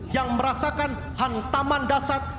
yang merasakan hantaman dasar